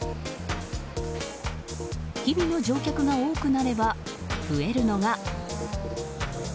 日々の乗客が多くなれば増えるのが。